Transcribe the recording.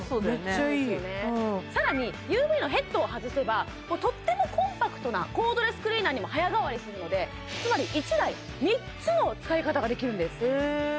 めっちゃいい更にＵＶのヘッドを外せばとってもコンパクトなコードレスクリーナーにも早変わりするのでつまり１台３つの使い方ができるんです